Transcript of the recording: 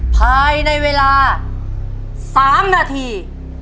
ภายในเวลา๓นาที